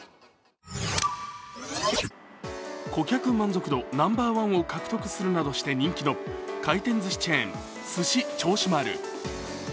顧客満足度ナンバーワンを獲得するなどして人気の回転ずしチェーン、すし銚子丸。